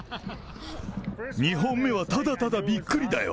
２本目はただただびっくりだよ。